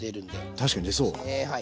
確かに出そう。